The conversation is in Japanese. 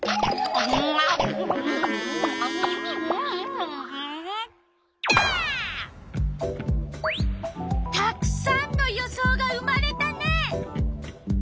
たくさんの予想が生まれたね。